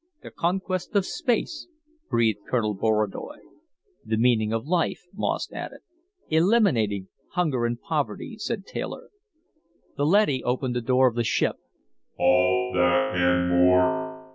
"The conquest of space," breathed Colonel Borodoy. "The meaning of life," Moss added. "Eliminating hunger and poverty," said Taylor. The leady opened the door of the ship. "All that and more.